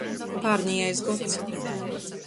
Pārnejais gods.